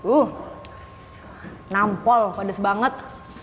uh nampol pedas banget